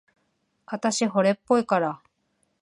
あたし、惚れっぽいから。